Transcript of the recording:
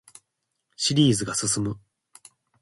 シリーズが進む